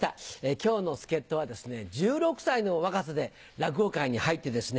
今日の助っ人はですね１６歳の若さで落語界に入ってですね